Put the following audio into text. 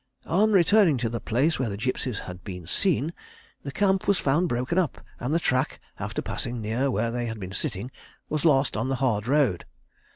On returning to the place where the gipsies had been seen, the camp was found broken up, and the track, after passing near where they had been sitting, was lost on the hard road.